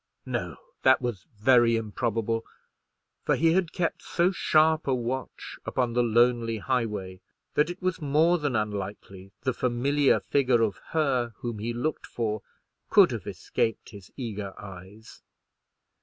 No, that was very improbable; for he had kept so sharp a watch upon the lonely highway that it was more than unlikely the familiar figure of her whom he looked for could have escaped his eager eyes.